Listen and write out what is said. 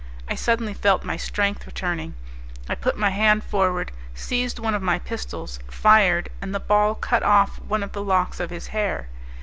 I suddenly felt my strength returning. I put my hand forward, seized one of my pistols, fired, and the ball cut off one of the locks of his hair.